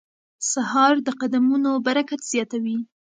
سهار د قدمونو برکت زیاتوي.